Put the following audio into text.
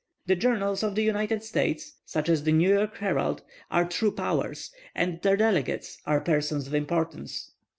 The journals of the United States, such as the New York Herald, are true powers, and their delegates are persons of importance.